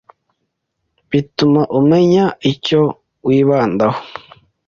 bituma umenya icyo wibandaho